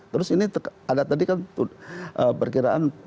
terus ini ada tadi kan perkiraan